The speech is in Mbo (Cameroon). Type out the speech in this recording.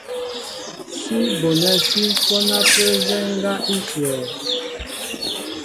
Sí bonɛ́ sí ǹhwɔ́n ápə́ nzɛ́ɛ́ ŋgá í shyɛ̄.